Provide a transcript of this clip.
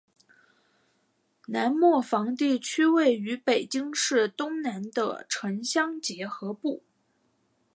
南磨房地区位于北京市东南的城乡结合部。